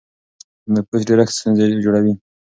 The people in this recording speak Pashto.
د نفوس ډېرښت ستونزې جوړوي.